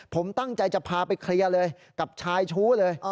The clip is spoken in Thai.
ผมตั้งใจจะพาไปเคลียร์เลยกับชายชู้เลย